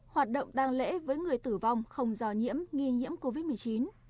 hoạt động đang lễ với người tử vong không do nhiễm nghi nhiễm covid một mươi chín